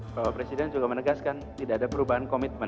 bapak presiden juga menegaskan tidak ada perubahan komitmen